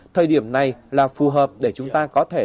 thời điểm này là phù hợp để chúng ta có thể